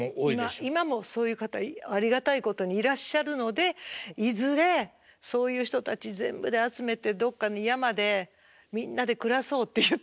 今もそういう方ありがたいことにいらっしゃるのでいずれそういう人たち全部で集めてどっかの山でみんなで暮らそうって言ってるぐらい。